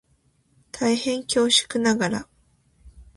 大変恐縮ながら